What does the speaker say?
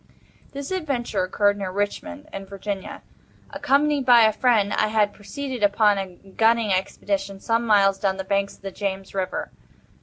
This adventure occurred near Richmond, in Virginia. Accompanied by a friend, I had proceeded, upon a gunning expedition, some miles down the banks of the James River.